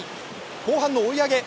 後半の追い上げ。